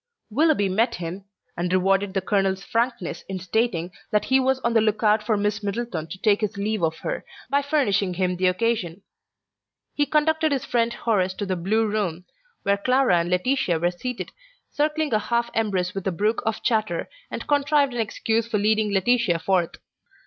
Willoughby met him, and rewarded the colonel's frankness in stating that he was on the look out for Miss Middleton to take his leave of her, by furnishing him the occasion. He conducted his friend Horace to the Blue Room, where Clara and Laetitia were seated circling a half embrace with a brook of chatter, and contrived an excuse for leading Laetitia forth.